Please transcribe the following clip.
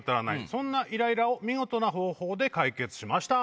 そんなイライラを見事な方法で解決しました。